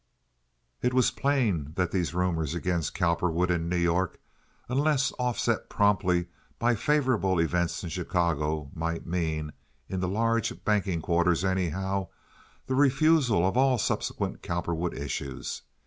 It was plain that these rumors against Cowperwood in New York, unless offset promptly by favorable events in Chicago, might mean—in the large banking quarters, anyhow—the refusal of all subsequent Cowperwood issues.